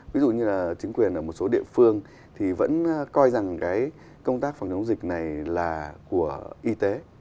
ví dụ như là chính quyền ở một số địa phương thì vẫn coi rằng cái công tác phòng chống dịch này là của y tế